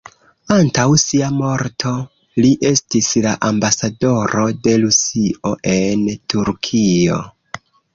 Antaŭ sia morto li estis la ambasadoro de Rusio en Turkio.